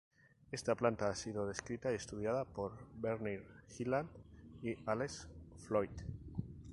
Esta planta ha sido descrita y estudiada por Bernie Hyland y Alex Floyd.